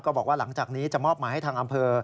บอกว่าหลังจากนี้จะมอบหมายให้ทางอำเภอ